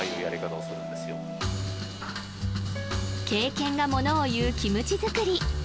経験がものをいうキムチ作り